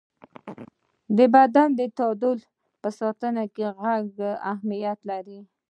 د بدن د تعادل په ساتنه کې غوږ اهمیت لري.